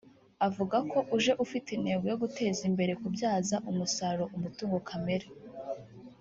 avuga ko uje ufite intego yo guteza imbere kubyaza umusaruro umutungo kamere